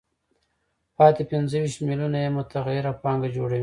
پاتې پنځه ویشت میلیونه یې متغیره پانګه جوړوي